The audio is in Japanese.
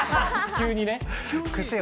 急にね。